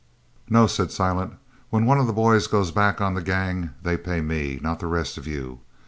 "No," said Silent, "when one of the boys goes back on the gang, they pay me, not the rest of you!